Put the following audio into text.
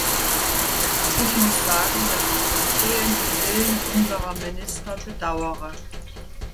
Ich muss sagen, dass ich den fehlenden Willen unserer Minister bedauere.